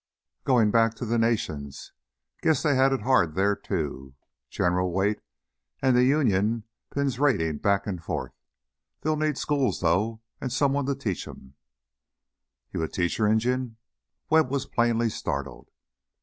"Goin' back to the Nations. Guess they had it hard there too, General Watie and the Union 'Pins' raidin' back and forth. They'll need schools though, and someone to teach 'em " "You a teacher, Injun?" Webb was plainly startled.